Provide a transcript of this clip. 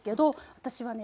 私はね